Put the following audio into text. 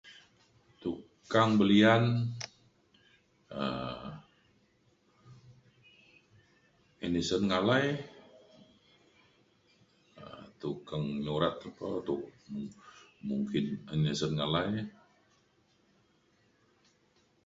tukang belian um Anderson Ngalai um tukang nyurat ne ko tu- mungkin Anderson Ngalai.